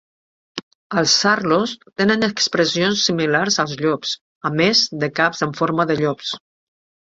Els Saarloos tenen expressions similars als llops, a més de caps en forma de llops.